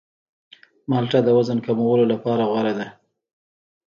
مالټه د وزن کمولو لپاره غوره ده.